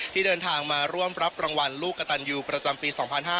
ที่เดินทางมาร่วมรับรางวัลลูกกระตันยูประจำปี๒๕๕๙